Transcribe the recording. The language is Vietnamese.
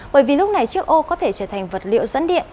bởi vì lúc này chiếc ô có thể trở thành vật liệu dẫn điện